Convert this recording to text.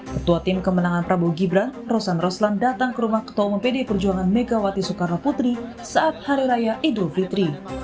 ketua tim kemenangan prabowo gibran rosan roslan datang ke rumah ketua umum pdi perjuangan megawati soekarno putri saat hari raya idul fitri